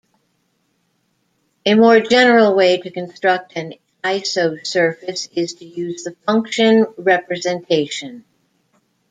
A more general way to construct an isosurface is to use the function representation.